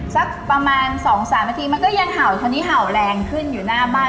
สักประมาณ๒๓นาทีมันก็ยังเห่าคราวนี้เห่าแรงขึ้นอยู่หน้าบ้าน